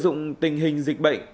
đợi dụng tình hình dịch bệnh